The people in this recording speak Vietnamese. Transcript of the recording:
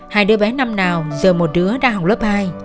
hai đứa bé năm nào giờ một đứa đã học lớp hai